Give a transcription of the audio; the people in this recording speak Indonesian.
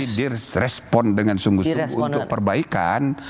tidak ditanggapi respon dengan sungguh sungguh untuk perbaikan